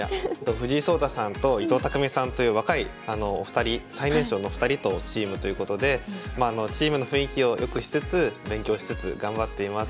藤井聡太さんと伊藤匠さんという若い２人最年少の２人とチームということでチームの雰囲気を良くしつつ勉強しつつ頑張っています。